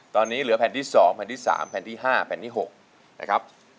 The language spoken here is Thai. ตอนนี้เหลือแผ่นที่๒แผ่นที่๓แผ่นที่๕แผ่นที่๖นะครับ